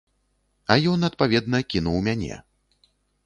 А ён, адпаведна, кінуў мяне.